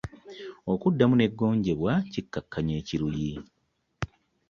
Okuddamu ne gonjebwa kikakanya ekiruyi.